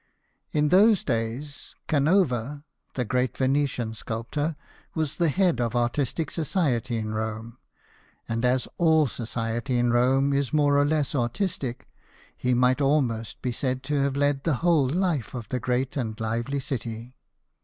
In those days, Canova, the great Venetian sculptor, was the head of artistic society in Rome ; and as all society in Rome is more or less artistic, he might almost be said to have led the whole life of the great and lively city.